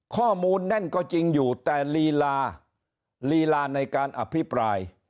ข้อมูลแน่นก็จริงอยู่แต่ลีลาลีลาในการอภิปราย